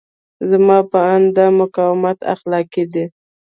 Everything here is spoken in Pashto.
زما په اند دا مقاومت اخلاقي دی.